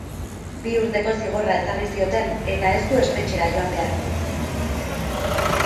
Bi urteko zigorra ezarri zioten eta ez du espetxera joan beharko.